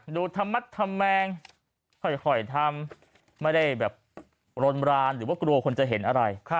ดูธรรมแมงค่อยทำไม่ได้แบบรนรานหรือว่ากลัวคนจะเห็นอะไร